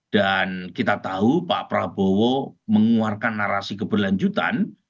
dan kita tahu pak prabowo mengeluarkan narasi keberlanjutan